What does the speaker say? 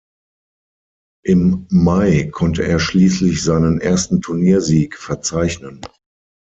Im Mai konnte er schließlich seinen ersten Turniersieg verzeichnen.